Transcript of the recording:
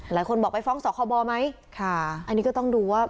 หลายคนบอกไปฟ้องสคบไหมค่ะอันนี้ก็ต้องดูว่า